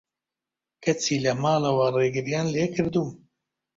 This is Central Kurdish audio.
کەچی لە ماڵەوە رێگریان لێکردووم